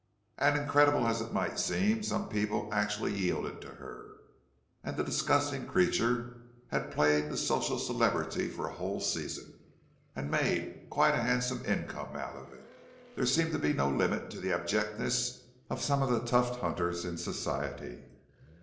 And incredible as it might seem, some people had actually yielded to her, and the disgusting creature had played the social celebrity for a whole season, and made quite a handsome income out of it. There seemed to be no limit to the abjectness of some of the tuft hunters in Society.